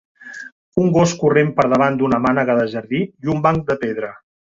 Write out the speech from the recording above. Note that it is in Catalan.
Un gos corrent per davant d'una mànega de jardí i un banc de pedra.